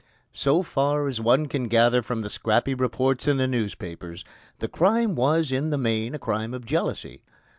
So far as one can gather from the scrappy reports in the newspapers, the crime was in the main a crime of jealousy.